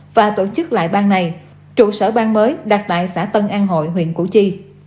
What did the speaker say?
và tổ chức lại ban này trụ sở ban mới đạt tại xã tân an hội huyện củ chi